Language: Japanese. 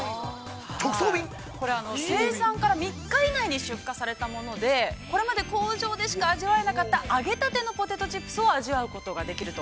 ◆生産から３日以内に出荷されたものでこれまで工場でしか味わえなかった、揚げたてのポテトチップスを味わうことができると。